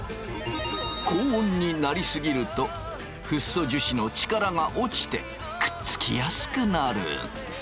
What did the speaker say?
高温になり過ぎるとフッ素樹脂の力が落ちてくっつきやすくなる。